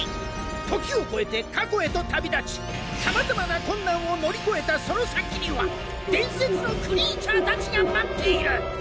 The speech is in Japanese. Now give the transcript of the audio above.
時を超えて過去へと旅立ちさまざまな困難を乗り越えたその先には伝説のクリーチャーたちが待っている。